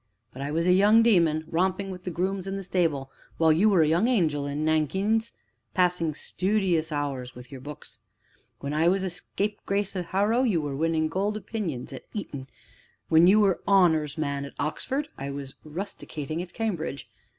But I was a young demon, romping with the grooms in the stable, while you were a young angel in nankeens, passing studious hours with your books. When I was a scapegrace at Harrow, you were winning golden opinions at Eton; when you were an 'honors' man at Oxford, I was 'rusticated' at Cambridge.